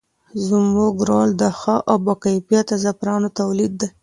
زموږ رول د ښه او باکیفیته زعفرانو تولید دی.